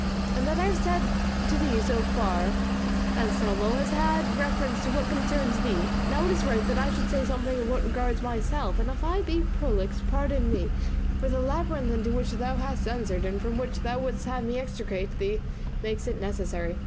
"All that I have said to thee so far, Anselmo, has had reference to what concerns thee; now it is right that I should say something of what regards myself; and if I be prolix, pardon me, for the labyrinth into which thou hast entered and from which thou wouldst have me extricate thee makes it necessary.